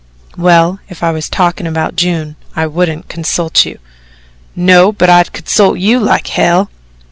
"Well, if I was talking about June, I wouldn't consult you." "No, but I'd consult you like hell."